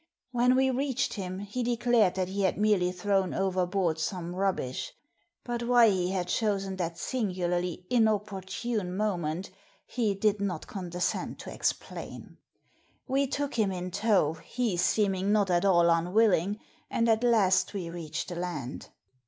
When we reached him he declared that he had merely thrown over board some rubbish, but why he had chosen that singularly inopportune moment he did not conde scend to explain. We took him in tow, he seeming not at all unwilling, and at last we reached the land.